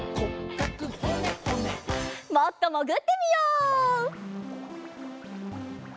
もっともぐってみよう！